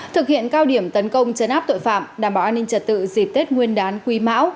thực hiện cao điểm tấn công chấn áp tội phạm đảm bảo an ninh trật tự dịp tết nguyên đán quý mão